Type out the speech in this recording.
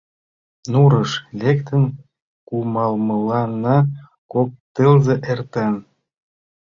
— Нурыш лектын кумалмыланна кок тылзе эртен.